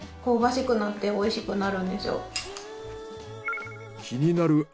香ばしくなって美味しくなるんですよ。